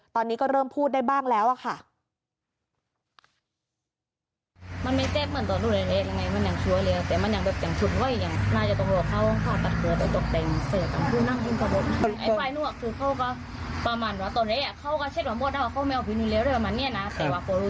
ตอนนี้ก็เริ่มพูดได้บ้างแล้วค่ะ